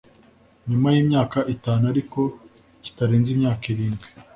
nyuma yimyaka itanu ariko kitarenze imyaka irindwi